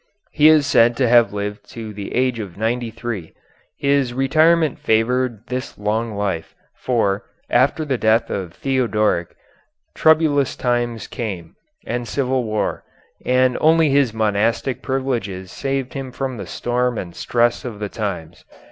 He is said to have lived to the age of ninety three. His retirement favored this long life, for, after the death of Theodoric, troublous times came, and civil war, and only his monastic privileges saved him from the storm and stress of the times.